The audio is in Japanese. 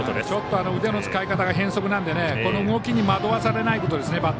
ちょっと腕の使い方が変則なのでこの動きに惑わされないことですね。